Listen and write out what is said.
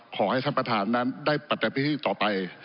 ขอให้ท่านประธานนั้นได้ปัจจัยพิธีต่อไป